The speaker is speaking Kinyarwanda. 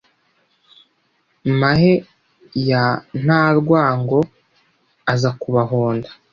mahe ya ntarwango aza kubahonda